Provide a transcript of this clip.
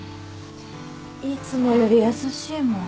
いつもより優しいもん。